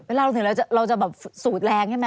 เวลาเราถึงเราจะสูดแรงใช่ไหม